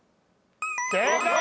正解！